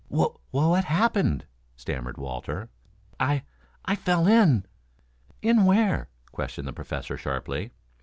"Wha what happened?" stammered Walter. "I I fell in." "In where?" questioned the Professor sharply.